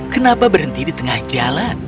kenapa berhenti di tengah jalan